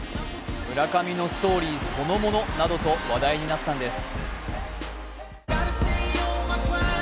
村上のストーリーそのものなどと話題になったんです。